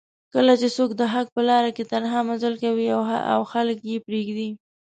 کله چې څوک دحق په لار کې تنها مزل کوي او خلک یې پریږدي